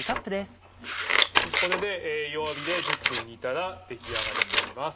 これで弱火で１０分煮たら出来上がりになります。